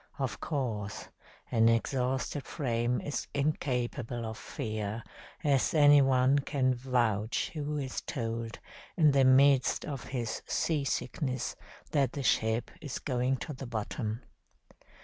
Of course, an exhausted frame is incapable of fear, as anyone can vouch who is told, in the midst of his sea sickness, that the ship is going to the bottom.